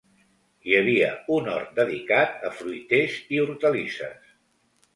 Hi havia un hort dedicat a fruiters i hortalisses.